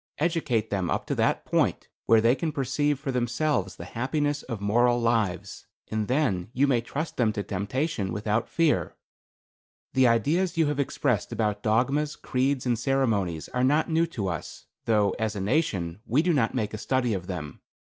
Educate them up to that point where they can perceive for themselves the happiness of moral lives, and then you may trust them to temptation without fear. The ideas you have expressed about dogmas, creeds and ceremonies are not new to us, though, as a nation, we do not make a study of them.